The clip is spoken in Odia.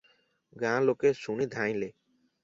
ଗାଁ ଲୋକେ ଶୁଣି ଧାଇଁଲେ ।